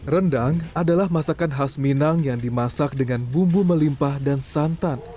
rendang adalah masakan khas minang yang dimasak dengan bumbu melimpah dan santan